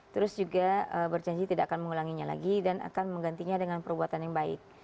terus juga berjanji tidak akan mengulanginya lagi dan akan menggantinya dengan perbuatan yang baik